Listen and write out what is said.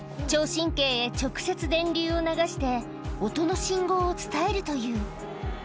神経へ直接電流を流して、音の信号を伝えるという。